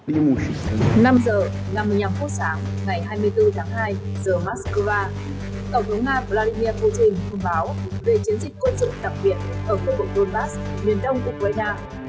lúc năm h năm mươi năm phút sáng ngày hai mươi bốn tháng hai giờ moscow tổng thống nga vladimir putin thông báo về chiến dịch quân sự đặc biệt ở khu vực donbass miền đông ukraine